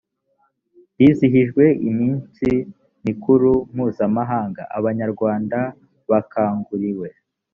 hizihijwe iminsi mikuru mpuzamahanga abanyarwanda bakangurirwa